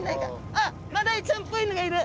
あっマダイちゃんぽいのがいる。